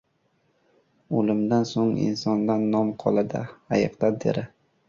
• O‘limdan so‘ng insondan nom qoladi, ayiqdan ― teri.